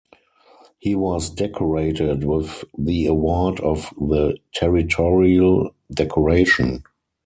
He was decorated with the award of the Territorial Decoration.